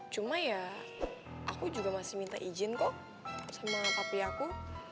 cuma ya aku juga masih minta izin kok sama papi aku